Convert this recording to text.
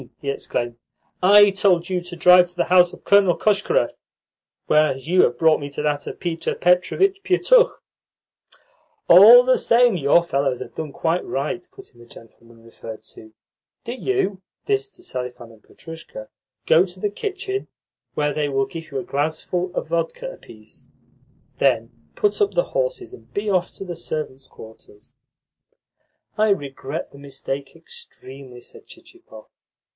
he exclaimed. "I told you to drive to the house of Colonel Koshkarev, whereas you have brought me to that of Peter Petrovitch Pietukh." "All the same, your fellows have done quite right," put in the gentleman referred to. "Do you" (this to Selifan and Petrushka) "go to the kitchen, where they will give you a glassful of vodka apiece. Then put up the horses, and be off to the servants' quarters." "I regret the mistake extremely," said Chichikov.